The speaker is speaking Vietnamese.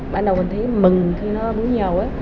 ban đầu mình thấy mừng